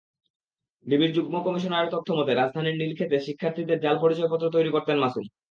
ডিবির যুগ্ম কমিশনারের তথ্যমতে, রাজধানীর নীলক্ষেতে শিক্ষার্থীদের জাল পরিচয়পত্র তৈরি করতেন মাসুম।